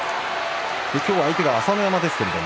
今日は相手が朝乃山ですけれど。